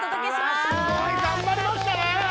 すごい！頑張りましたね。